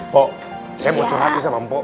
pak saya mau curhat nih sama mpok